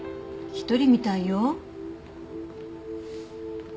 １人みたいよ。